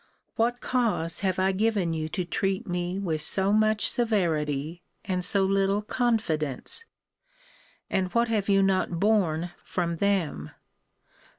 What cause have I given you to treat me with so much severity and so little confidence? And what have you not borne from them?